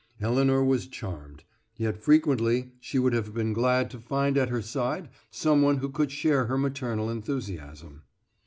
Elinor was charmed; yet frequently she would have been glad to find at her side some one who could share her maternal enthusiasm.